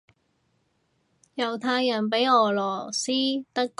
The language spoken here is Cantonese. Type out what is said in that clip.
猶太人畀俄羅斯德國蹂躪嘅時候都好渺小